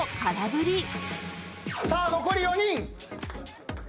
さあ残り４人！